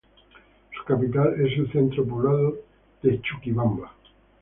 Su capital es el centro poblado de Chuquibamba.